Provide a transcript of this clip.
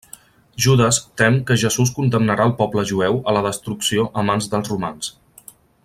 Judes tem que Jesús condemnarà al poble jueu a la destrucció a mans dels romans.